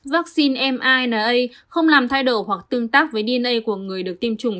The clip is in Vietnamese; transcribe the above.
vaccine mina không làm thay đổi hoặc tương tác với dna của người được tiêm chủng